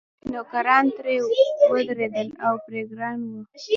نوکران ترې وېرېدل او پرې ګران وو.